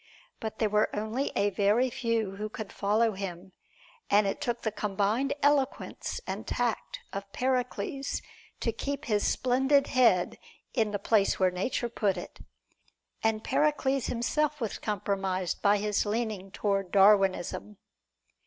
But there were only a very few who could follow him, and it took the combined eloquence and tact of Pericles to keep his splendid head in the place where Nature put it, and Pericles himself was compromised by his leaning toward "Darwinism."